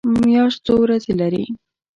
میاشت څو ورځې لري؟